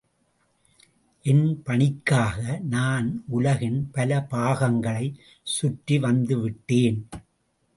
என் பணிக்காக நான் உலகின் பல பாகங்களைச் சுற்றி வந்துவிட்டேன்.